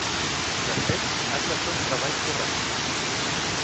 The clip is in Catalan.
De fet, has de fer un treball correcte.